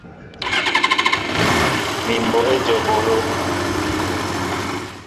Mi mɓǒl éjom eɓólo.